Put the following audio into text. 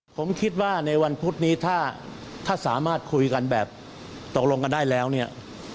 ผมคิดว่าในวันพุธนี้ถ้าสามารถคุยกันแบบตกลงกันได้แล้วเนี่ย